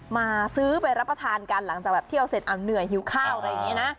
มาซื้อไปรับประทานกันหลังจากแบบเที่ยวเสร็จเหนื่อยหิวข้าวอะไรอย่างนี้นะ